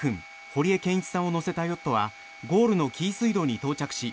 堀江謙一さんを乗せたヨットはゴールの紀伊水道に到着し